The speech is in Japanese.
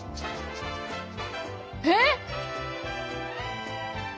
えっ！？